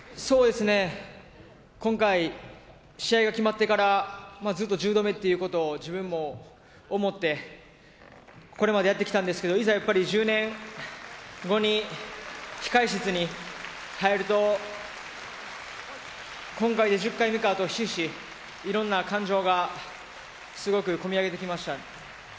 今回、試合が決まってからずっと１０度目ということを自分も思って、これまでやってきたんですけれども、いざ１０年後に控室に入ると今回で１０回目かとひしひしいろいろな感情がすごくこみ上げてきました。